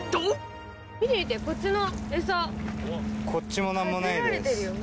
おっこっちも何もないです。